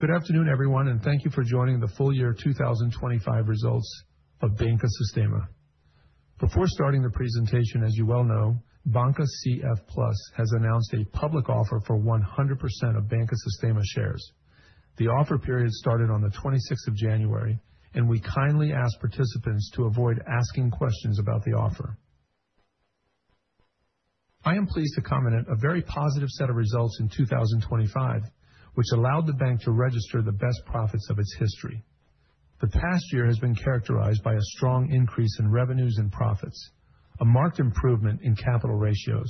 Good afternoon, everyone, and thank you for joining the full year 2025 results of Banca Sistema. Before starting the presentation, as you well know, Banca CF+ has announced a public offer for 100% of Banca Sistema shares. The offer period started on the 26th of January, and we kindly ask participants to avoid asking questions about the offer. I am pleased to comment on a very positive set of results in 2025, which allowed the bank to register the best profits of its history. The past year has been characterized by a strong increase in revenues and profits, a marked improvement in capital ratios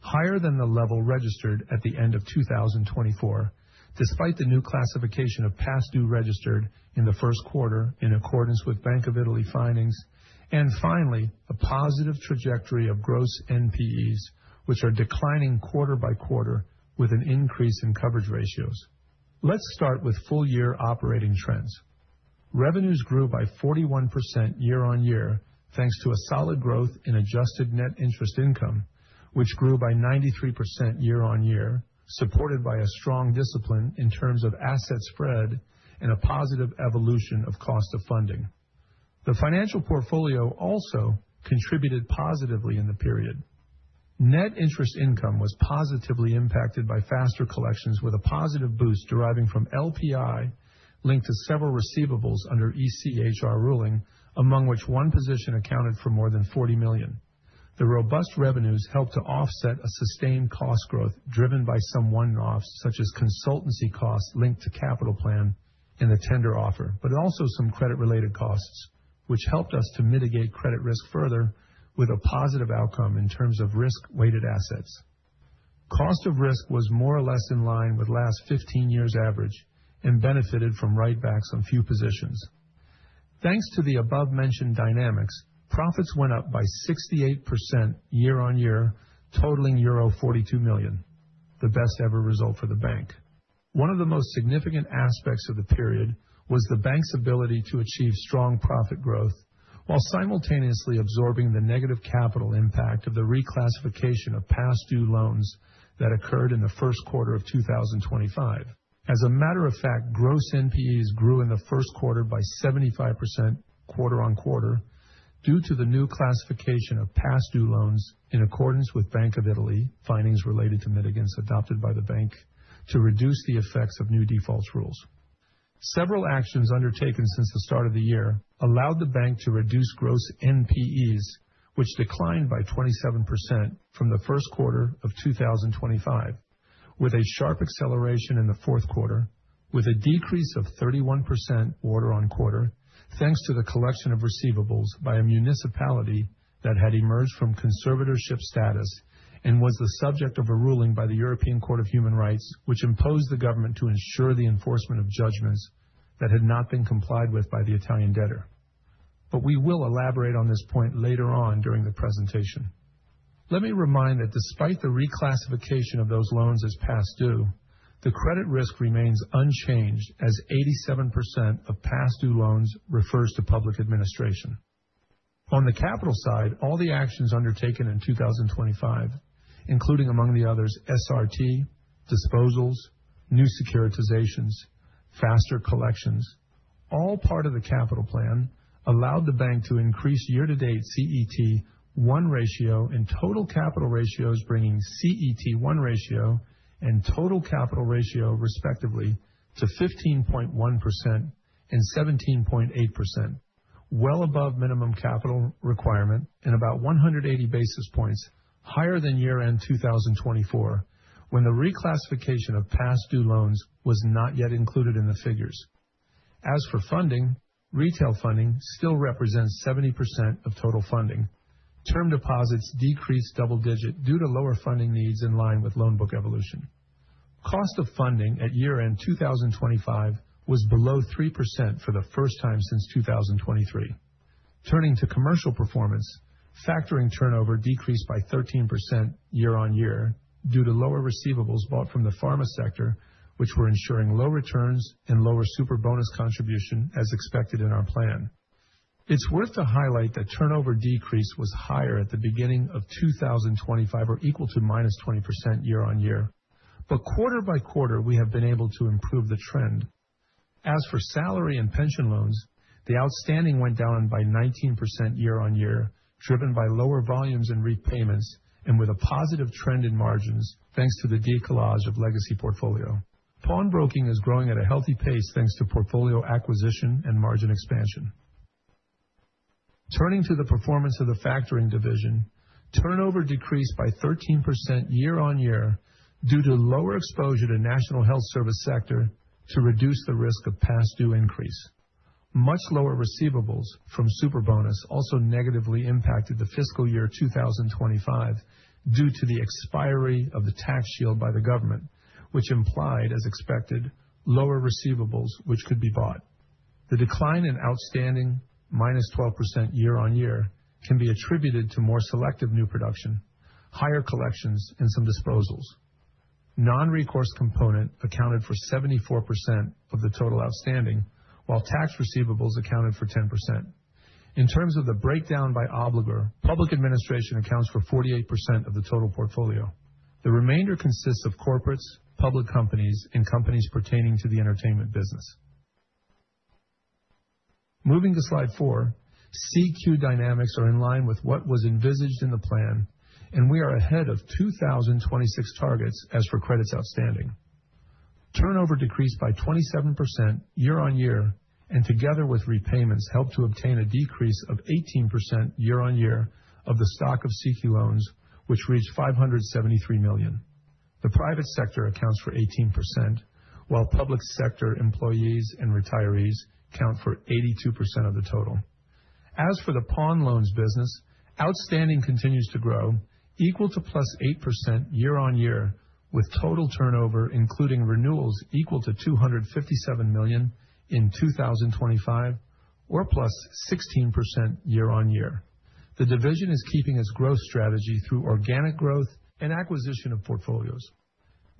higher than the level registered at the end of 2024, despite the new classification of past due registered in the first quarter, in accordance with Bank of Italy findings, and finally, a positive trajectory of gross NPEs, which are declining quarter-by-quarter with an increase in coverage ratios. Let's start with full year operating trends. Revenues grew by 41% year-on-year, thanks to a solid growth in adjusted net interest income, which grew by 93% year-on-year, supported by a strong discipline in terms of asset spread and a positive evolution of cost of funding. The financial portfolio also contributed positively in the period. Net interest income was positively impacted by faster collections, with a positive boost deriving from LPI, linked to several receivables under ECHR ruling, among which one position accounted for more than 40 million. The robust revenues helped to offset a sustained cost growth, driven by some one-offs, such as consultancy costs linked to capital plan in the tender offer, but also some credit-related costs, which helped us to mitigate credit risk further with a positive outcome in terms of risk-weighted assets. Cost of risk was more or less in line with last 15 years average and benefited from write-backs on few positions. Thanks to the above-mentioned dynamics, profits went up by 68% year-on-year, totaling euro 42 million, the best ever result for the bank. One of the most significant aspects of the period was the bank's ability to achieve strong profit growth while simultaneously absorbing the negative capital impact of the reclassification of past due loans that occurred in the first quarter of 2025. As a matter of fact, gross NPEs grew in the first quarter by 75% quarter-on-quarter, due to the new classification of past due loans, in accordance with Bank of Italy findings related to mitigants adopted by the bank to reduce the effects of new defaults rules. Several actions undertaken since the start of the year allowed the bank to reduce gross NPEs, which declined by 27% from the first quarter of 2025, with a sharp acceleration in the fourth quarter, with a decrease of 31% quarter-on-quarter, thanks to the collection of receivables by a municipality that had emerged from conservatorship status and was the subject of a ruling by the European Court of Human Rights, which imposed the government to ensure the enforcement of judgments that had not been complied with by the Italian debtor. But we will elaborate on this point later on during the presentation. Let me remind that despite the reclassification of those loans as past due, the credit risk remains unchanged, as 87% of past due loans refers to public administration. On the capital side, all the actions undertaken in 2025, including among the others, SRT, disposals, new securitizations, faster collections, all part of the capital plan, allowed the bank to increase year-to-date CET1 ratio and total capital ratios, bringing CET1 ratio and total capital ratio, respectively, to 15.1% and 17.8%, well above minimum capital requirement and about 180 basis points higher than year-end 2024, when the reclassification of past due loans was not yet included in the figures. As for funding, retail funding still represents 70% of total funding. Term deposits decreased double digit due to lower funding needs in line with loan book evolution. Cost of funding at year-end 2025 was below 3% for the first time since 2023. Turning to commercial performance, factoring turnover decreased by 13% year-on-year due to lower receivables bought from the pharma sector, which were ensuring low returns and lower super bonus contribution, as expected in our plan. It's worth to highlight that turnover decrease was higher at the beginning of 2025, or equal to -20% year-on-year. But quarter-by-quarter, we have been able to improve the trend. As for salary and pension loans, the outstanding went down by 19% year-on-year, driven by lower volumes and repayments, and with a positive trend in margins, thanks to the decalage of legacy portfolio. Pawnbroking is growing at a healthy pace, thanks to portfolio acquisition and margin expansion. Turning to the performance of the factoring division, turnover decreased by 13% year-on-year, due to lower exposure to national health service sector to reduce the risk of past due increase. Much lower receivables from Superbonus also negatively impacted the fiscal year 2025 due to the expiry of the tax shield by the government, which implied, as expected, lower receivables, which could be bought. The decline in outstanding minus 12% year-on-year can be attributed to more selective new production, higher collections, and some disposals. Non-recourse component accounted for 74% of the total outstanding, while tax receivables accounted for 10%. In terms of the breakdown by obligor, public administration accounts for 48% of the total portfolio. The remainder consists of corporates, public companies, and companies pertaining to the entertainment business.... Moving to Slide 4, CQ dynamics are in line with what was envisaged in the plan, and we are ahead of 2026 targets as for credits outstanding. Turnover decreased by 27% year-over-year, and together with repayments, helped to obtain a decrease of 18% year-over-year of the stock of CQ loans, which reached 573 million. The private sector accounts for 18%, while public sector employees and retirees count for 82% of the total. As for the pawn loans business, outstanding continues to grow, equal to +8% year-over-year, with total turnover, including renewals, equal to 257 million in 2025, or +16% year-over-year. The division is keeping its growth strategy through organic growth and acquisition of portfolios.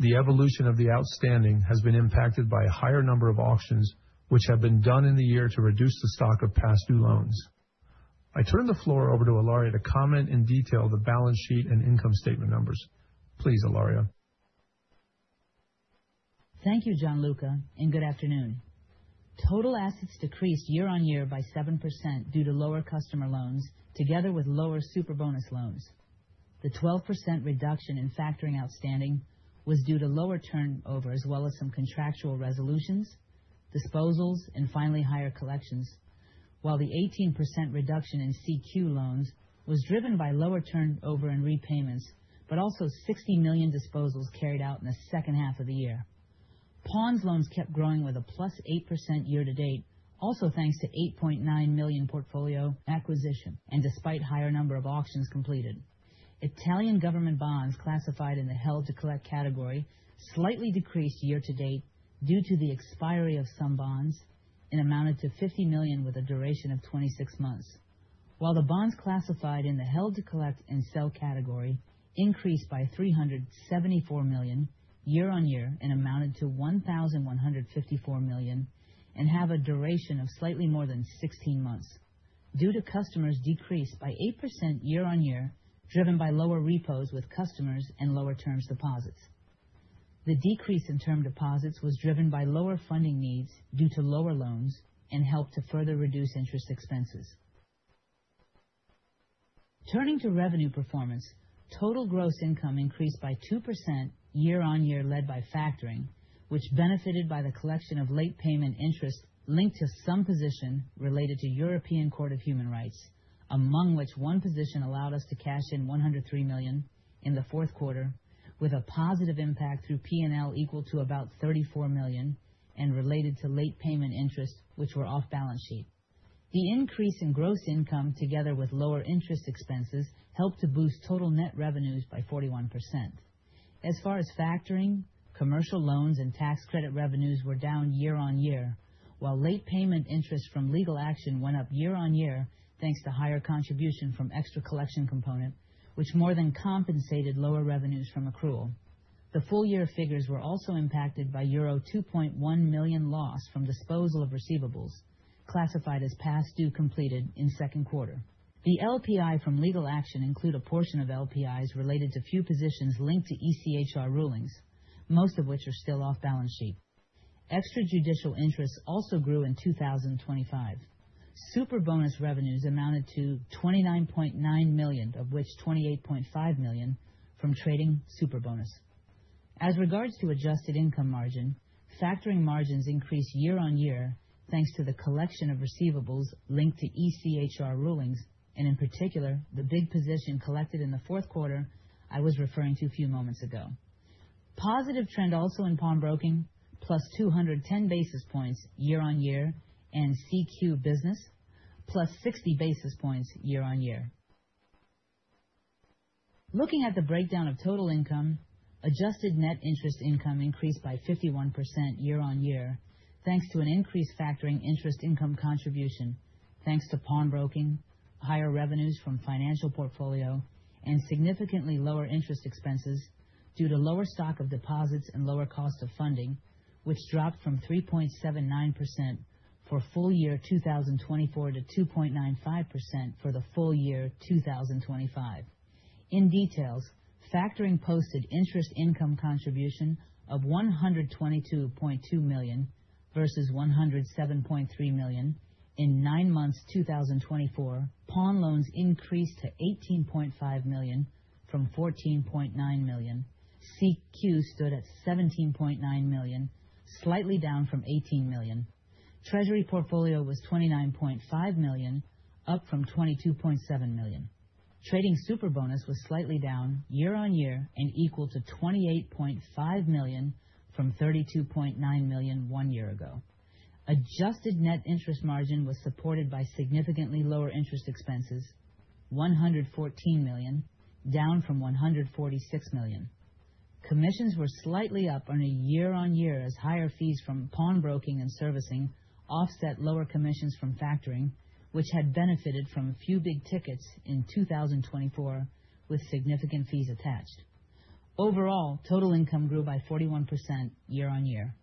The evolution of the outstanding has been impacted by a higher number of auctions, which have been done in the year to reduce the stock of past due loans. I turn the floor over to Ilaria to comment in detail the balance sheet and income statement numbers. Please, Ilaria. Thank you, Gianluca, and good afternoon. Total assets decreased year-on-year by 7% due to lower customer loans, together with lower Superbonus loans. The 12% reduction in factoring outstanding was due to lower turnover, as well as some contractual resolutions, disposals, and finally, higher collections, while the 18% reduction in CQ loans was driven by lower turnover and repayments, but also 60 million disposals carried out in the second half of the year. Pawn loans kept growing with a +8% year-to-date, also thanks to 8.9 million portfolio acquisition and despite higher number of auctions completed. Italian government bonds, classified in the Held to Collect category, slightly decreased year-to-date due to the expiry of some bonds and amounted to 50 million with a duration of 26 months. While the bonds classified in the Held to Collect and Sell category increased by 374 million year-on-year and amounted to 1,154 million, and have a duration of slightly more than 16 months. Due to customers decreased by 8% year-on-year, driven by lower repos with customers and lower term deposits. The decrease in term deposits was driven by lower funding needs due to lower loans and helped to further reduce interest expenses. Turning to revenue performance, total gross income increased by 2% year-on-year, led by factoring, which benefited by the collection of late payment interest linked to some position related to European Court of Human Rights, among which one position allowed us to cash in 103 million in the fourth quarter, with a positive impact through PNL equal to about 34 million and related to late payment interests, which were off balance sheet. The increase in gross income, together with lower interest expenses, helped to boost total net revenues by 41%. As far as factoring, commercial loans and tax credit revenues were down year-on-year, while late payment interest from legal action went up year-on-year, thanks to higher contribution from extra collection component, which more than compensated lower revenues from accrual. The full year figures were also impacted by euro 2.1 million loss from disposal of receivables, classified as past due completed in second quarter. The LPI from legal action include a portion of LPIs related to few positions linked to ECHR rulings, most of which are still off balance sheet. Extra judicial interests also grew in 2025. Superbonus revenues amounted to 29.9 million, of which 28.5 million from trading Superbonus. As regards to adjusted income margin, factoring margins increased year-on-year, thanks to the collection of receivables linked to ECHR rulings, and in particular, the big position collected in the fourth quarter I was referring to a few moments ago. Positive trend also in Pawnbroking, +210 basis points year-on-year, and CQ business, +60 basis points year-on-year. Looking at the breakdown of total income, adjusted net interest income increased by 51% year-on-year, thanks to an increased factoring interest income contribution, thanks to Pawnbroking, higher revenues from financial portfolio, and significantly lower interest expenses due to lower stock of deposits and lower cost of funding, which dropped from 3.79% for full year 2024 to 2.95% for the full year 2025. In detail, factoring posted interest income contribution of 122.2 million versus 107.3 million in nine months, 2024. Pawn loans increased to 18.5 million from 14.9 million. CQ stood at 17.9 million, slightly down from 18 million. Treasury portfolio was 29.5 million, up from 22.7 million. Trading Superbonus was slightly down year-on-year and equal to 28.5 million from 32.9 million one year ago. Adjusted net interest margin was supported by significantly lower interest expenses, 114 million, down from 146 million. Commissions were slightly up year-on-year as higher fees from Pawnbroking and servicing offset lower commissions from factoring, which had benefited from a few big tickets in 2024, with significant fees attached. Overall, total income grew by 41% year-on-year.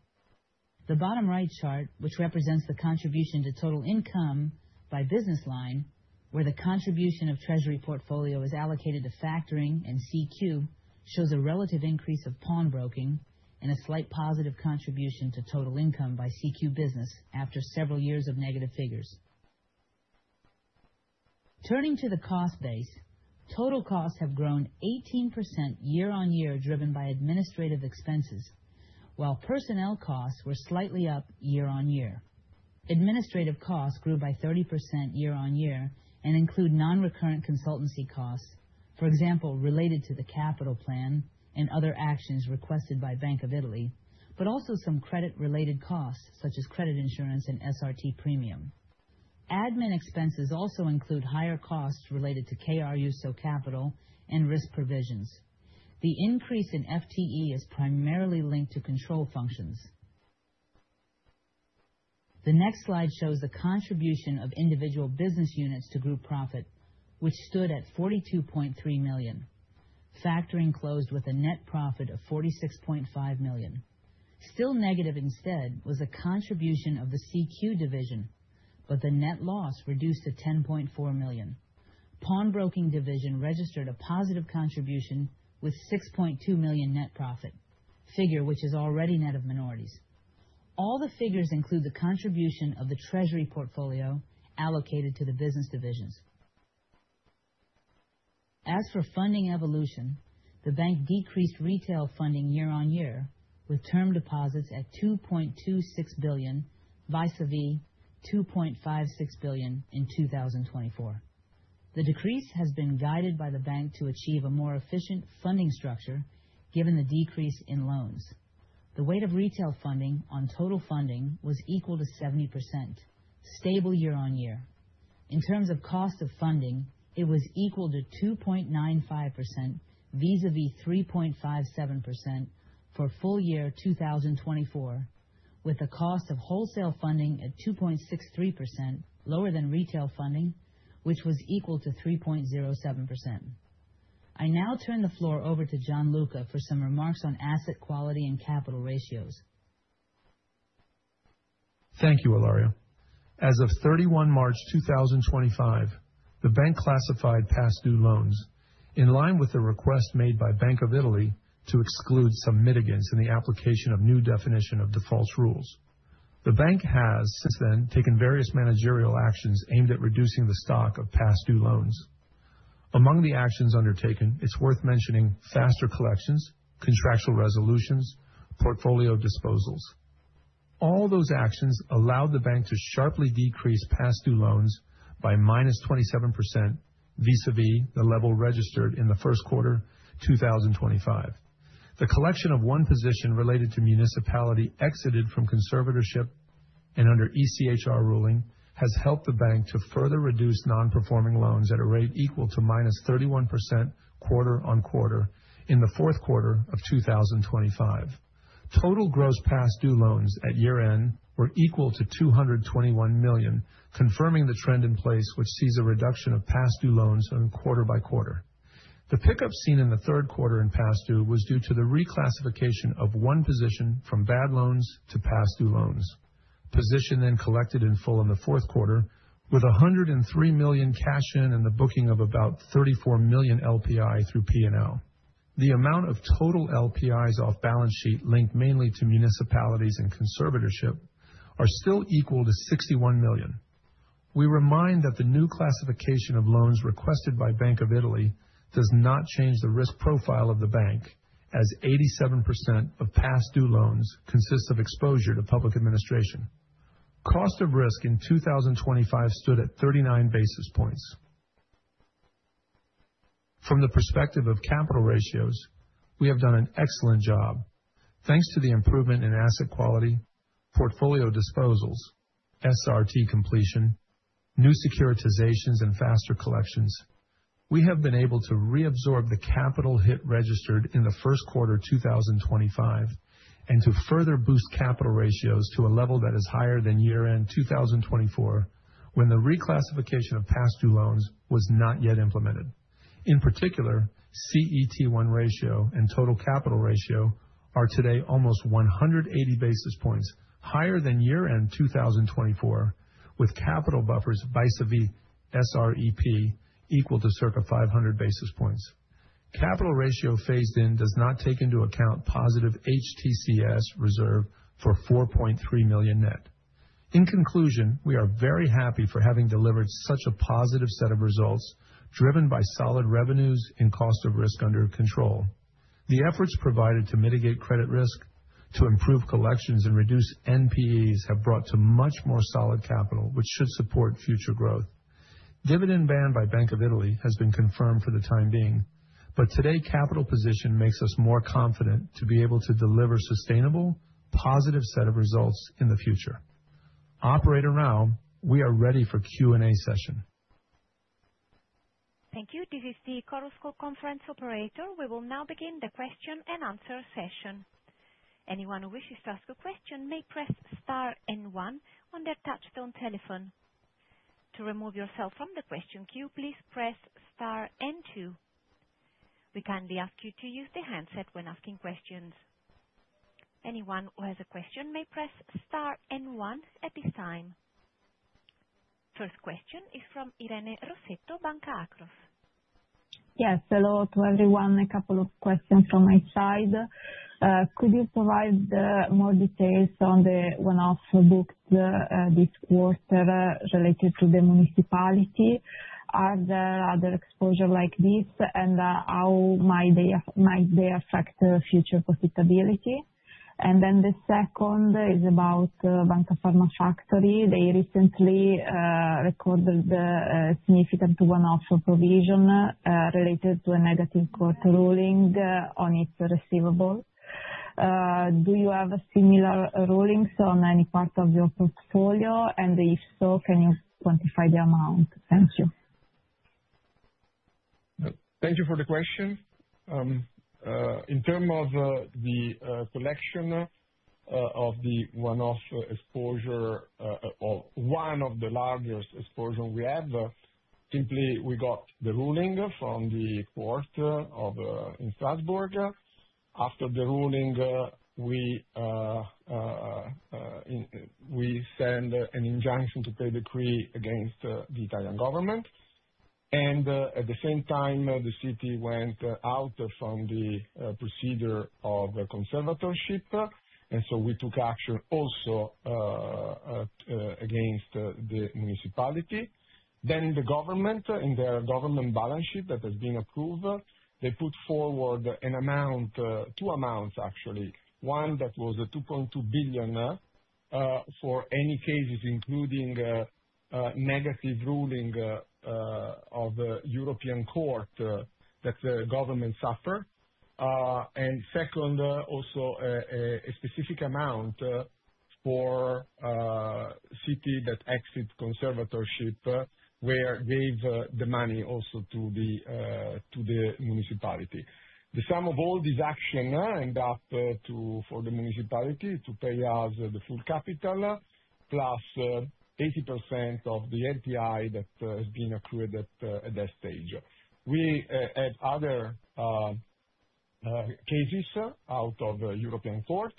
The bottom right chart, which represents the contribution to total income by business line, where the contribution of treasury portfolio is allocated to factoring, and CQ shows a relative increase of pawnbroking and a slight positive contribution to total income by CQ business after several years of negative figures. Turning to the cost base, total costs have grown 18% year-on-year, driven by administrative expenses, while personnel costs were slightly up year-on-year. Administrative costs grew by 30% year-on-year and include non-recurrent consultancy costs, for example, related to the capital plan and other actions requested by Bank of Italy, but also some credit-related costs, such as credit insurance and SRT premium. Admin expenses also include higher costs related to Kruso Kapital and risk provisions. The increase in FTE is primarily linked to control functions. The next slide shows the contribution of individual business units to group profit, which stood at 42.3 million. Factoring closed with a net profit of 46.5 million. Still negative, instead, was a contribution of the CQ division, but the net loss reduced to 10.4 million. Pawnbroking division registered a positive contribution with 6.2 million net profit, figure which is already net of minorities. All the figures include the contribution of the treasury portfolio allocated to the business divisions. As for funding evolution, the bank decreased retail funding year-on-year, with term deposits at 2.26 billion, vis-a-vis 2.56 billion in 2024. The decrease has been guided by the bank to achieve a more efficient funding structure, given the decrease in loans. The weight of retail funding on total funding was equal to 70%, stable year-on-year. In terms of cost of funding, it was equal to 2.95%, vis-a-vis 3.57% for full year 2024, with a cost of wholesale funding at 2.63%, lower than retail funding, which was equal to 3.07%. I now turn the floor over to Gianluca for some remarks on asset quality and capital ratios. Thank you, Ilaria. As of 31 March 2025, the bank classified past due loans, in line with the request made by Bank of Italy to exclude some mitigants in the application of new definition of default rules. The bank has since then, taken various managerial actions aimed at reducing the stock of past due loans. Among the actions undertaken, it's worth mentioning faster collections, contractual resolutions, portfolio disposals. All those actions allowed the bank to sharply decrease past due loans by -27%, vis-a-vis the level registered in the first quarter 2025. The collection of one position related to municipality exited from conservatorship and under ECHR ruling, has helped the bank to further reduce non-performing loans at a rate equal to -31% quarter-on-quarter in the fourth quarter of 2025. Total gross past due loans at year-end were equal to 221 million, confirming the trend in place, which sees a reduction of past due loans quarter-by-quarter. The pickup seen in the third quarter in past due was due to the reclassification of one position from bad loans to past due loans. Position then collected in full in the fourth quarter, with 103 million cash in, and the booking of about 34 million LPI through P&L. The amount of total LPIs off balance sheet, linked mainly to municipalities and conservatorship, are still equal to 61 million. We remind that the new classification of loans requested by Bank of Italy does not change the risk profile of the bank, as 87% of past due loans consist of exposure to public administration. Cost of risk in 2025 stood at 39 basis points. From the perspective of capital ratios, we have done an excellent job. Thanks to the improvement in asset quality, portfolio disposals, SRT completion, new securitizations, and faster collections, we have been able to reabsorb the capital hit registered in the first quarter, 2025, and to further boost capital ratios to a level that is higher than year-end 2024, when the reclassification of past due loans was not yet implemented. In particular, CET1 ratio and total capital ratio are today almost 180 basis points higher than year-end 2024, with capital buffers vis-a-vis SREP equal to circa 500 basis points. Capital ratio phased in does not take into account positive HTCS reserve for 4.3 million net. In conclusion, we are very happy for having delivered such a positive set of results, driven by solid revenues and cost of risk under control. The efforts provided to mitigate credit risk, to improve collections and reduce NPEs, have brought to much more solid capital, which should support future growth. Dividend ban by Bank of Italy has been confirmed for the time being, but today, capital position makes us more confident to be able to deliver sustainable, positive set of results in the future. Operator Rao, we are ready for Q&A session. Thank you. This is the Chorus Call conference operator. We will now begin the question-and-answer session. Anyone who wishes to ask a question may press star and one on their touchtone telephone. To remove yourself from the question queue, please press star and two. We kindly ask you to use the handset when asking questions.... Anyone who has a question may press star and one at this time. First question is from Irene Rossetto, Banca Akros. Yes, hello to everyone. A couple of questions from my side. Could you provide more details on the one-off booked this quarter related to the municipality? Are there other exposure like this, and how might they affect the future profitability? And then the second is about Banca Farmafactoring. They recently recorded a significant one-off provision related to a negative court ruling on its receivables. Do you have similar rulings on any part of your portfolio, and if so, can you quantify the amount? Thank you. Thank you for the question. In terms of the collection of the one-off exposure, or one of the largest exposure we had, simply we got the ruling from the court in Strasbourg. After the ruling, we send an injunction to pay decree against the Italian government, and at the same time, the city went out from the procedure of conservatorship, and so we took action also against the municipality. Then the government, in their government balance sheet that has been approved, they put forward an amount, two amounts, actually. One that was a 2.2 billion for any cases, including negative ruling of the European Court that the government suffer. And second, also, a specific amount for city that exit conservatorship, where gave the money also to the to the municipality. The sum of all these action end up to for the municipality to pay us the full capital, plus 80% of the LPI that has been accrued at at that stage. We have other cases out of European Court.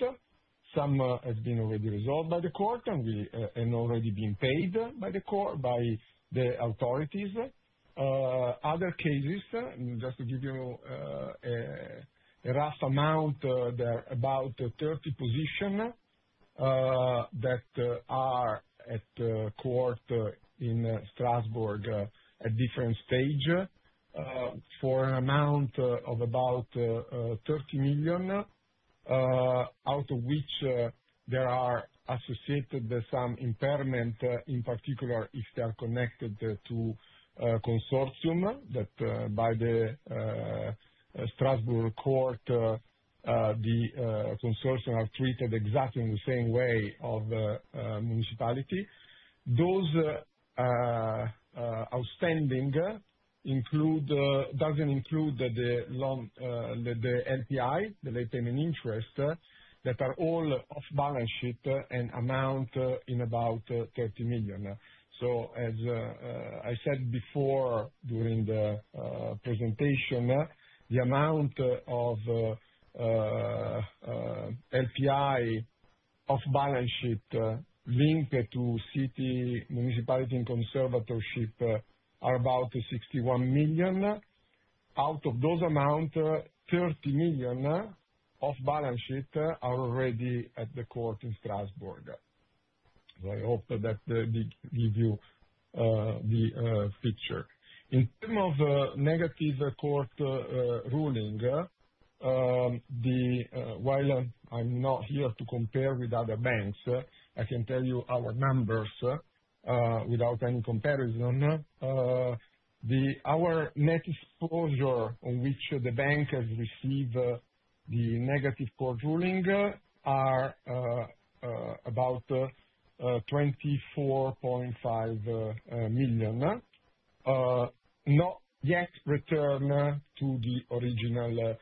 Some have been already resolved by the court, and we and already been paid by the court, by the authorities. Other cases, just to give you a rough amount, there are about 30 position that are at court in Strasbourg at different stage for an amount of about 30 million, out of which there are associated some impairment, in particular, if they are connected to consortium that by the Strasbourg court the consortium are treated exactly in the same way of municipality. Those outstanding include doesn't include the LPI, the late payment interest that are all off balance sheet and amount in about 30 million. As I said before, during the presentation, the amount of NPE off balance sheet linked to city municipality and conservatorship are about 61 million. Out of those amount, 30 million off balance sheet are already at the court in Strasbourg. So I hope that did give you the picture. In terms of negative court ruling, while I'm not here to compare with other banks, I can tell you our numbers without any comparison. Our net exposure on which the bank has received the negative court ruling are about 24.5 million not yet returned to the original seller.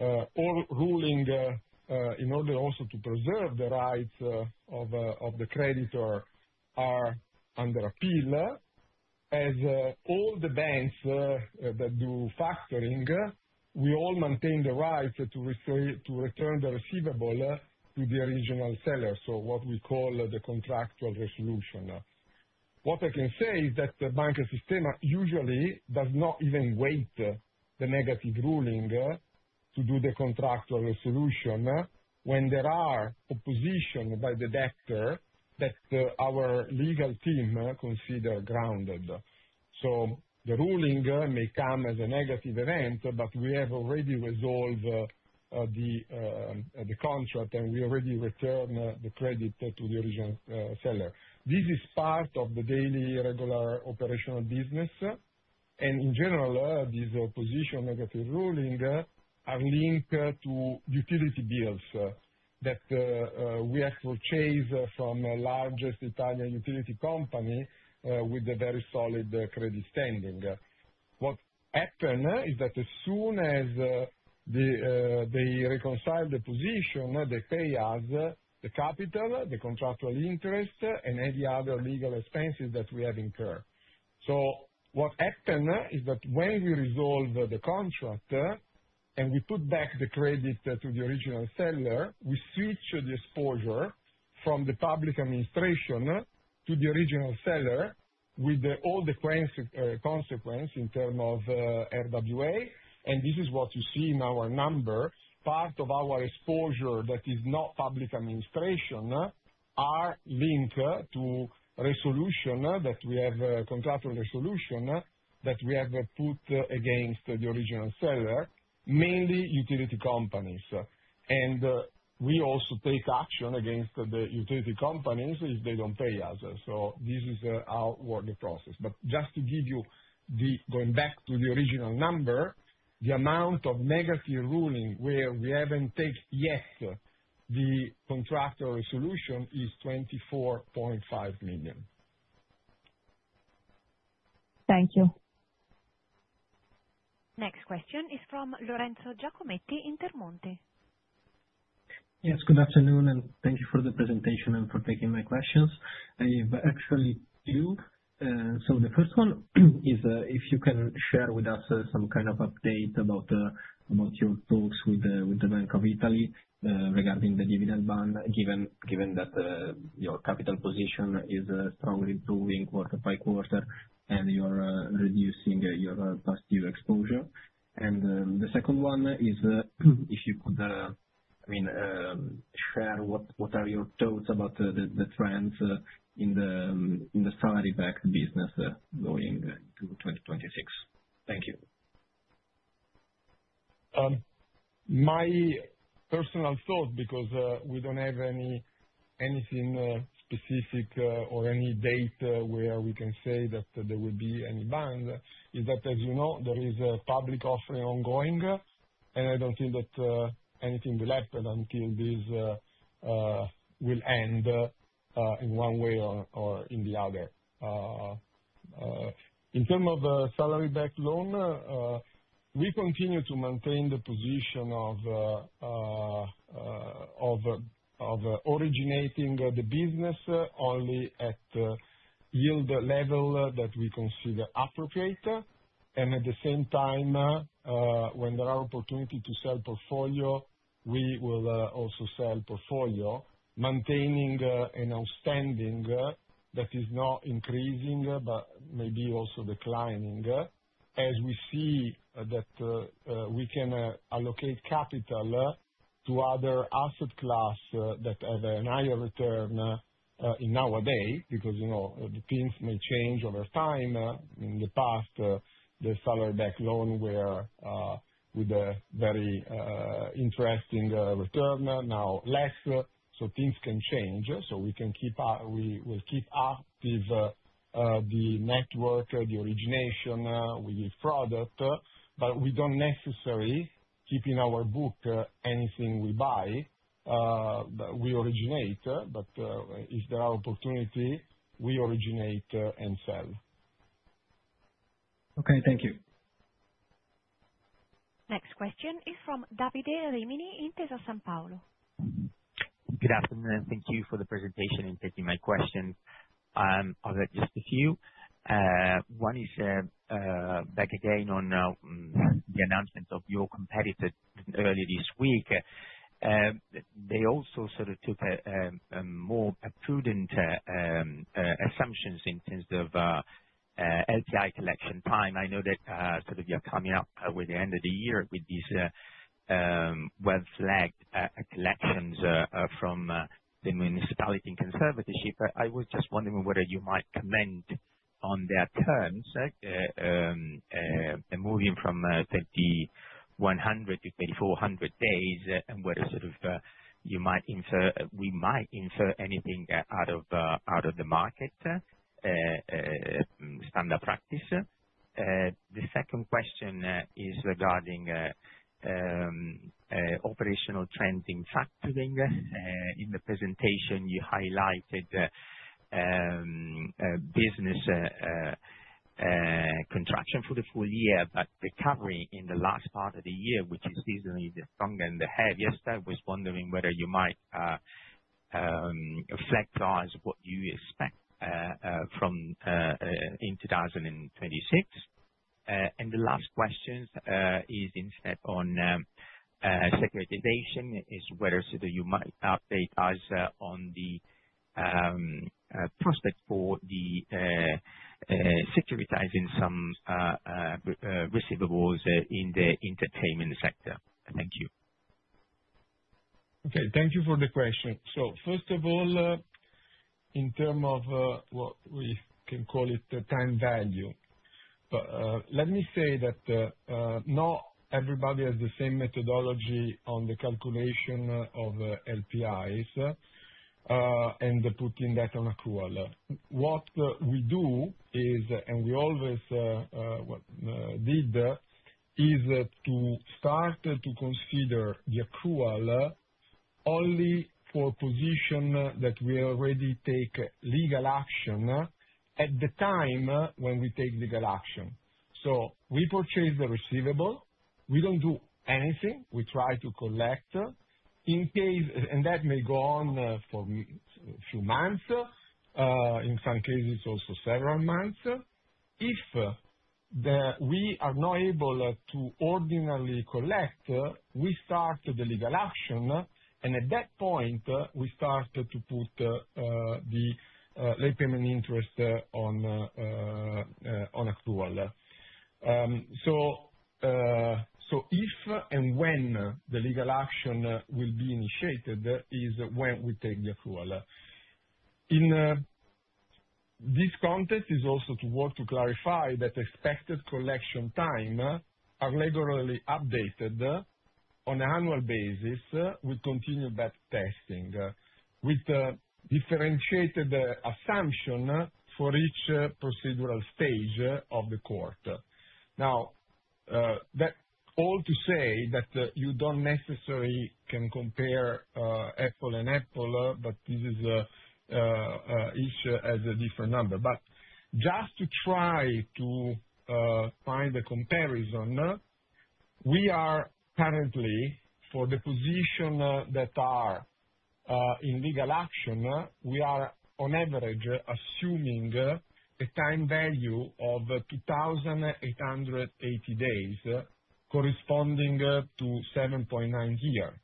All ruling in order also to preserve the rights of the creditor are under appeal. As all the banks that do factoring, we all maintain the right to return the receivable to the original seller, so what we call the contractual resolution. What I can say is that the Banca Sistema usually does not even wait the negative ruling to do the contractual resolution when there are opposition by the debtor that our legal team consider grounded. So the ruling may come as a negative event, but we have already resolved the contract, and we already return the credit to the original seller. This is part of the daily regular operational business, and in general, these occasional negative rulings are linked to utility bills that we actually chase from the largest Italian utility company with a very solid credit standing. What happen is that as soon as they reconcile the position, they pay us the capital, the contractual interest, and any other legal expenses that we have incurred. So what happen is that when we resolve the contract and we put back the credit to the original seller, we switch the exposure from the public administration to the original seller, with all the consequences in terms of RWA, and this is what you see in our numbers. Part of our exposure that is not public administration are linked to resolution that we have a contractual resolution that we have put against the original seller, mainly utility companies. We also take action against the utility companies if they don't pay us. This is our working process. But just to give you the... Going back to the original number, the amount of negative ruling where we haven't take yet the contractual resolution is EUR 24.5 million. Thank you. Next question is from Lorenzo Giacometti, Intermonte. Yes, good afternoon, and thank you for the presentation and for taking my questions. I have actually two. So the first one is, if you can share with us, some kind of update about, about your talks with, with the Bank of Italy, regarding the dividend ban, given, given that, your capital position is, strongly improving quarter-by-quarter, and you're, reducing, your, past due exposure. And, the second one is, if you could, I mean, share what, what are your thoughts about the, the, the trends, in the, in the salary-backed business, going to 2026? Thank you. My personal thought, because we don't have anything specific or any date where we can say that there will be any ban, is that, as you know, there is a public offering ongoing, and I don't think that anything will happen until this will end in one way or in the other. In terms of salary-backed loan, we continue to maintain the position of originating the business only at yield level that we consider appropriate. And at the same time, when there are opportunities to sell portfolio, we will also sell portfolio, maintaining an outstanding that is not increasing, but maybe also declining. As we see that, we can allocate capital to other asset class that have a higher return in our day, because, you know, the things may change over time. In the past, the salary-backed loan were with a very interesting return, now less, so things can change. So we can keep up, we'll keep up with the network the origination with the product, but we don't necessarily keep in our book anything we buy that we originate, but if there are opportunity, we originate and sell. Okay, thank you. Next question is from Davide Rimini, Intesa Sanpaolo. Good afternoon, thank you for the presentation and taking my questions. I'll have just a few. One is back again on the announcement of your competitor earlier this week. They also sort of took a more prudent assumptions in terms of LPI collection time. I know that sort of you are coming up with the end of the year with these well-flagged collections from the municipality in conservatorship. I was just wondering whether you might comment on their terms moving from 3,100 to 3,400 days, and whether sort of you might insert- we might insert anything out of the market standard practice? The second question is regarding operational trends in factoring. In the presentation, you highlighted a business contraction for the full year, but recovery in the last part of the year, which is seasonally the stronger than the heaviest. I was wondering whether you might reflect on what you expect from in 2026. And the last question is instead on securitization, is whether, sort of, you might update us on the prospect for the securitizing some receivables in the entertainment sector. Thank you. Okay, thank you for the question. So first of all, in terms of what we can call it, the time value, let me say that not everybody has the same methodology on the calculation of LPIs and putting that on accrual. What we do is, and we always did, is to start to consider the accrual only for positions that we already take legal action at the time when we take legal action. So we purchase the receivable. We don't do anything. We try to collect in case. And that may go on for a few months, in some cases, also several months. If we are not able to ordinarily collect, we start the legal action, and at that point, we start to put the late payment interest on actual. So, if and when the legal action will be initiated, is when we take the actual. In this context is also to want to clarify that expected collection time are regularly updated on annual basis with continued back testing with the differentiated assumption for each procedural stage of the court. Now, that all to say, that you don't necessarily can compare apple and apple, but this is each as a different number. But just to try to find a comparison, we are currently, for the position that are in legal action, we are on average, assuming a time value of 2,800 days, corresponding to 7.9 years.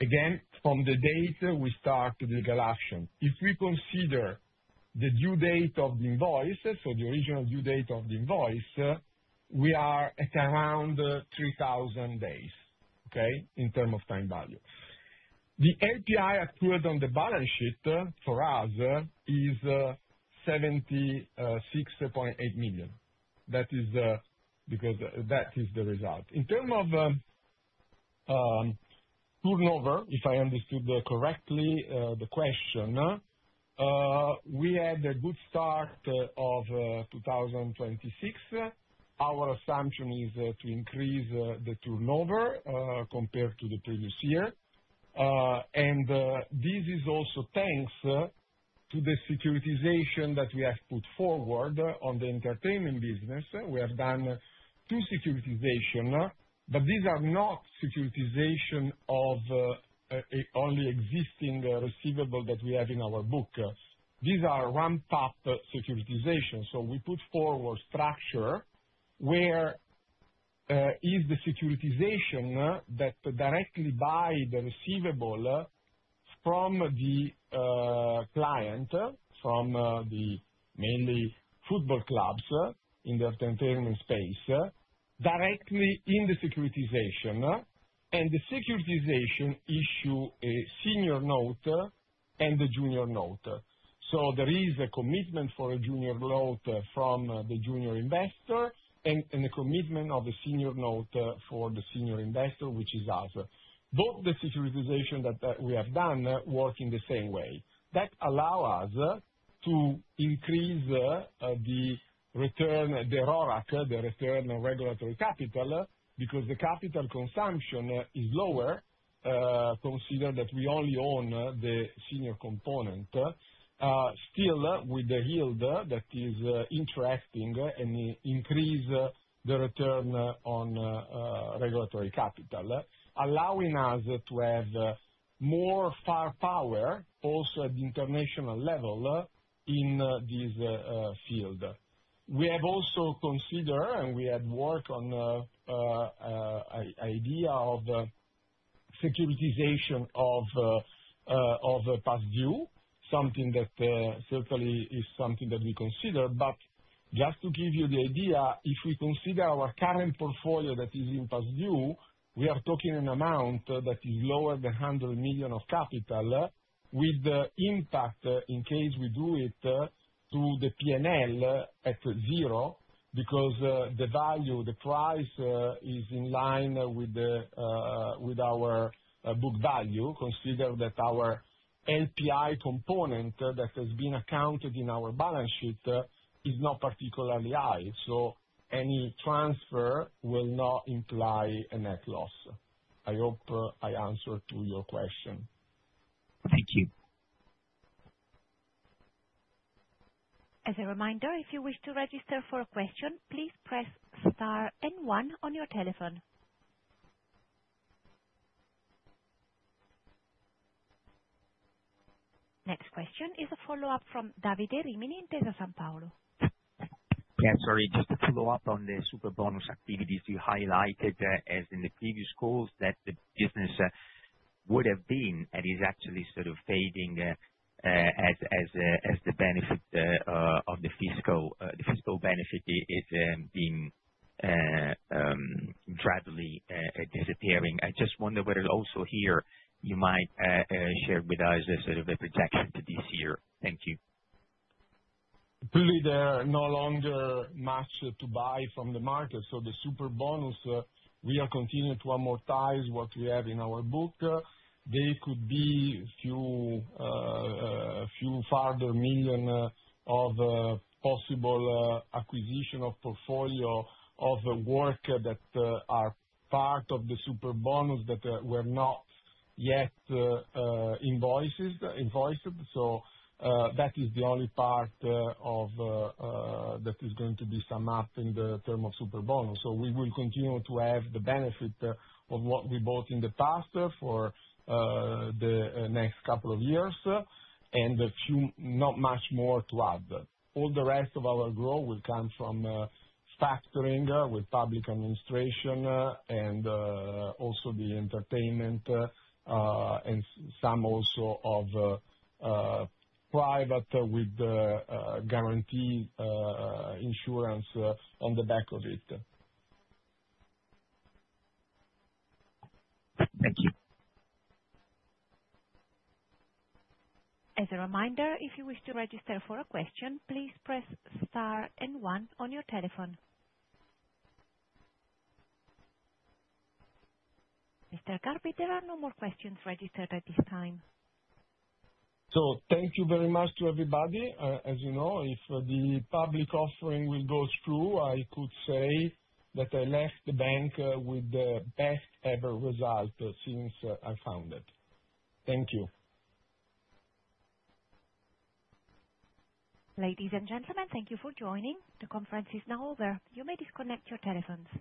Again, from the date we start the legal action. If we consider the due date of the invoice, so the original due date of the invoice, we are at around 3,000 days, okay? In terms of time value. The LPI accrued on the balance sheet for us is 76.8 million. That is because that is the result. In term of turnover, if I understood correctly the question, we had a good start of 2026. Our assumption is to increase the turnover compared to the previous year. This is also thanks to the securitization that we have put forward on the entertainment business. We have done two securitization, but these are not securitization of only existing receivable that we have in our book. These are ramped up securitization, so we put forward structure where is the securitization that directly buy the receivable from the client from the mainly football clubs in the entertainment space directly in the securitization, and the securitization issue a senior note and a junior note. So there is a commitment for a junior note from the junior investor, and a commitment of a senior note for the senior investor, which is us. Both the securitization that we have done work in the same way. That allow us to increase the return, the RORAC, the return on regulatory capital because the capital consumption is lower considering that we only own the senior component still with the yield that is interesting and increase the return on regulatory capital allowing us to have more firepower also at the international level in this field. We have also considered, and we have worked on, the idea of securitization of Past Due, something that certainly is something that we consider. But just to give you the idea, if we consider our current portfolio that is in past due, we are talking an amount that is lower than 100 million of capital, with the impact in case we do it through the PNL at zero, because the value, the price is in line with the with our book value. Consider that our NPE component that has been accounted in our balance sheet is not particularly high, so any transfer will not imply a net loss. I hope I answered to your question. Thank you. As a reminder, if you wish to register for a question, please press star and one on your telephone. Next question is a follow-up from Davide Rimini, Intesa Sanpaolo. Yeah, sorry, just to follow up on the Superbonus activities. You highlighted, as in the previous calls, that the business would have been, and is actually sort of fading, as the benefit of the fiscal, the fiscal benefit is being gradually disappearing. I just wonder whether also here you might share with us a sort of a projection to this year. Thank you. Clearly, there are no longer much to buy from the market, so the Superbonus, we are continuing to amortize what we have in our book. There could be a few further million of possible acquisition of portfolio of work that are part of the Superbonus that were not yet invoiced. So, that is the only part of that is going to be some up in the term of Superbonus. So we will continue to have the benefit of what we bought in the past for the next couple of years, and a few, not much more to add. All the rest of our growth will come from factoring with public administration, and also the entertainment, and some also of private with guarantee insurance on the back of it. Thank you. As a reminder, if you wish to register for a question, please press star and one on your telephone. Mr. Garbi, there are no more questions registered at this time. Thank you very much to everybody. As you know, if the public offering will go through, I could say that I left the bank with the best ever result since I found it. Thank you. Ladies and gentlemen, thank you for joining. The conference is now over. You may disconnect your telephones.